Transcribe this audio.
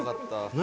「何？